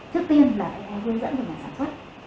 trước tiên là phải hướng dẫn về sản xuất